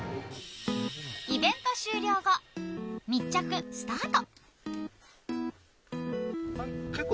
イベント終了後、密着スタート。